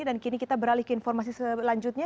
dan kini kita beralih ke informasi selanjutnya